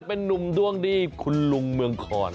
เป็นนุ่มดวงดีคุณลุงเมืองคอน